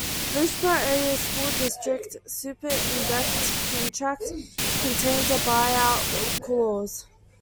Leechburgh Area School district superintendeet contract contains a buyout clause.